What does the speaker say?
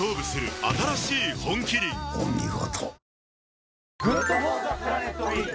お見事。